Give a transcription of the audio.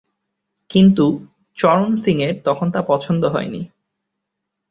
কিন্তু, চরণ সিংয়ের তখন তা পছন্দ হয়নি।